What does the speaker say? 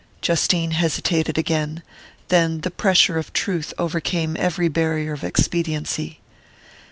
Justine hesitated again; then the pressure of truth overcame every barrier of expediency.